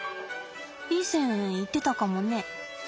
いい線いってたかもね。